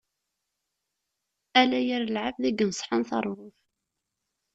Ala yir lɛebd i yeneṣḥen taṛbut.